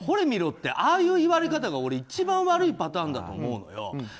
みろってああいう言われ方が俺一番悪いパターンだと思うのよ。